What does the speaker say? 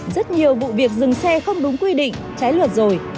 rất nhiều vụ việc dừng xe không đúng quy định trái luật rồi